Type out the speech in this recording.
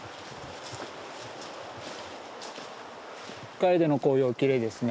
カエデの紅葉きれいですね。